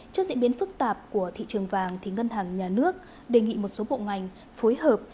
trước diễn biến phức tạp của thị trường vàng ngân hàng nhà nước đề nghị một số bộ ngành phối hợp